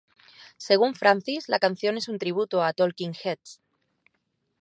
Según Francis, la canción es un tributo a Talking Heads.